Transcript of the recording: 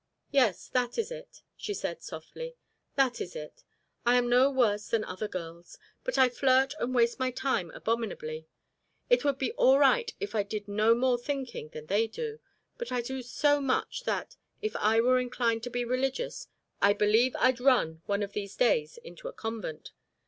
"Yes, that is it," she said, softly. "That is it. I am no worse than other girls; but I flirt and waste my time abominably. It would be all right if I did no more thinking than they do; but I do so much that, if I were inclined to be religious, I believe I'd run, one of these days, into a convent.